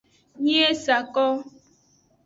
Nyi e sa ko.